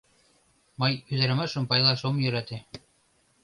Мый ӱдырамашым пайлаш ом йӧрате.